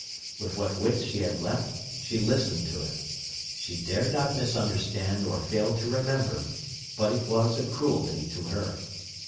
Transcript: With what wits she had left she listened to him. She dared not misunderstand or fail to remember, but it was a cruelty to her.